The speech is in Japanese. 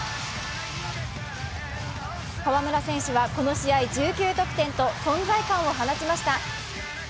河村選手は、この試合１９得点と存在感を放ちました。